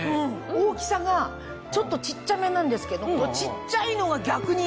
大きさがちょっと小っちゃめなんですけど小っちゃいのが逆にいいっていうか。